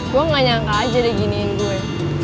gue gak nyangka aja deh giniin gue